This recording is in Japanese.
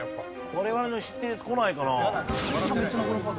我々の知ってるやつこないかな。